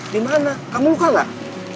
di mana kamu luka gak